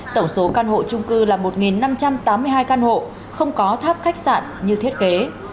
tổng số căn hộ trung cư là một năm trăm tám mươi hai căn hộ không có tháp khách sạn như thiết kế